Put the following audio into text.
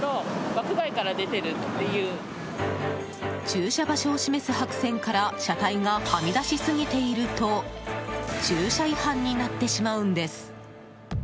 駐車場所を示す白線から車体がはみ出しすぎていると駐車違反になってしまうんです。